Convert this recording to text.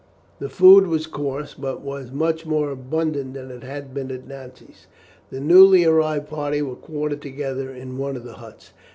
The food was coarse, but was much more abundant than it had been at Nantes. The newly arrived party were quartered together in one of the huts.